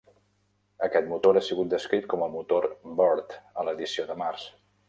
Aquest motor ha sigut descrit com el motor "Burt" a l'edició de març.